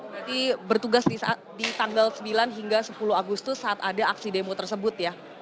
berarti bertugas di tanggal sembilan hingga sepuluh agustus saat ada aksi demo tersebut ya